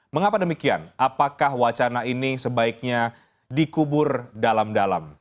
mengapa demikian apakah wacana ini sebaiknya dikubur dalam dalam